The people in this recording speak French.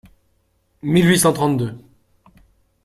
mille huit cent trente-deux).